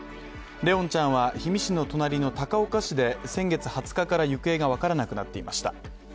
怜音ちゃんは、氷見市の隣の高岡市で先月２日から行方が分からなくなっていました。